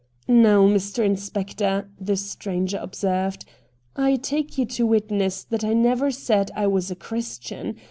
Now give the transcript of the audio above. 'Now, Mr. Inspector,' the stranger observed, ' I take you to witness that I never said I was a Christian.